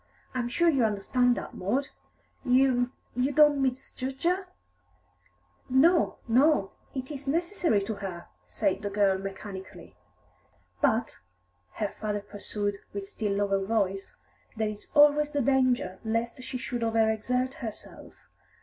I'm sure you understand that, Maud? You you don't misjudge her?" "No, no; it is necessary to her," said the girl mechanically. "But," her father pursued, with still lower voice, "there is always the danger lest she should over exert herself.